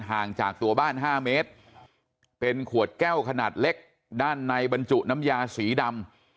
ห่างจากตัวบ้าน๕เมตรเป็นขวดแก้วขนาดเล็กด้านในบรรจุน้ำยาสีดำ